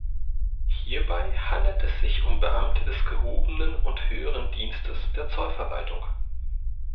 Hierbei handelt es sich um Beamte des gehobenen und höheren Dienstes der Zollverwaltung.